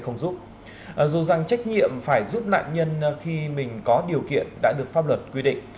dù rằng trách nhiệm phải giúp nạn nhân khi mình có điều kiện đã được pháp luật quy định